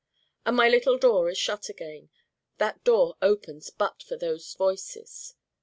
And my little door is shut again: that door opens but for those Voices.